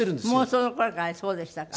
その頃からそうでしたか。